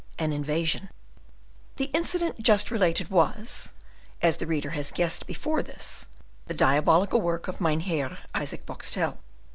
An Invasion The incident just related was, as the reader has guessed before this, the diabolical work of Mynheer Isaac Boxtel.